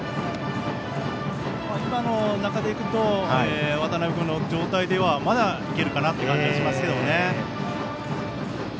今の中でいくと渡部君の状態ではまだ、いけるかなという感じがしますけどね。